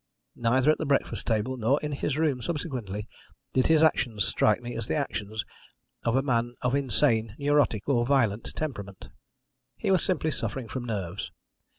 Neither at the breakfast table nor in his room subsequently did his actions strike me as the actions of a man of insane, neurotic, or violent temperament. He was simply suffering from nerves.